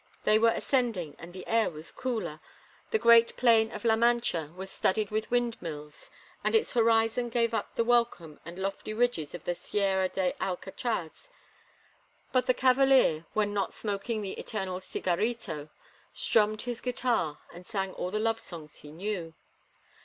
They were ascending, and the air was cooler; the great plain of La Mancha was studded with windmills, and its horizon gave up the welcome and lofty ridges of the Sierra de Alcatraz. But the cavalier—when not smoking the eternal cigarito—strummed his guitar and sang all the love songs he knew.